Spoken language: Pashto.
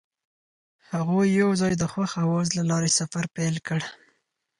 هغوی یوځای د خوښ اواز له لارې سفر پیل کړ.